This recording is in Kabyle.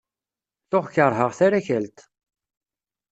Tuɣ kerheɣ tarakalt.